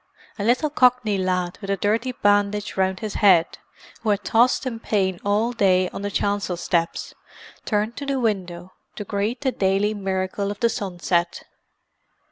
A little Cockney lad with a dirty bandage round his head, who had tossed in pain all day on the chancel steps, turned to the window to greet the daily miracle of the sunset.